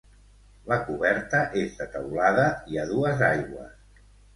La coberta és de teulada i a dues aigües.